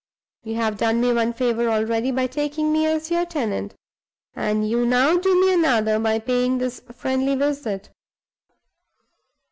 "You have done me one favor already by taking me as your tenant, and you now do me another by paying this friendly visit.